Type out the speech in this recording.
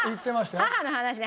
母の話ね。